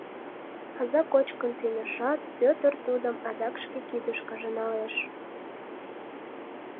Аза кочкын темешат, Пӧтыр тудым адак шке кидышкыже налеш.